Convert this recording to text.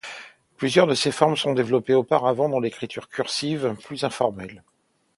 Plusieurs de ces formes sont développées auparavant dans l'écriture cursive, plus informelle.